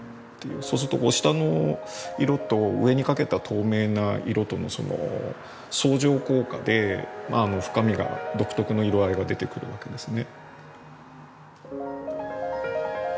そうすると下の色と上にかけた透明な色との相乗効果で深みが独特の色合いが出てくるわけですね。